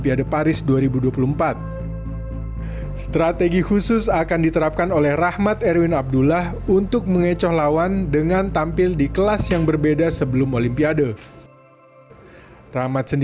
piala asia dua ribu dua puluh empat di qatar tentunya menjadi ajang tersebut